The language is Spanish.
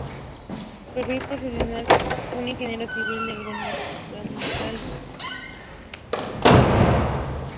Perfil Profesional de un Ingeniero Civil en Agroindustrias